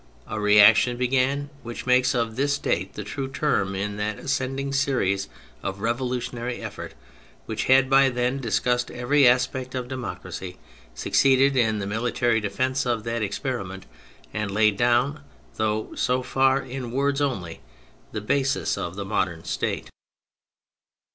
A reaction began which makes of this date the true term in that ascending series of revolutionary effort which had by then dis cussed every aspect of democracy, succeeded in the military defence of that experiment, and laid down, though so far in words only, the basis of the modern State.